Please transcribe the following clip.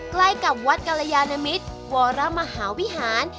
ใกล้กับวัดกรยานมิตรวรมหาวิหาร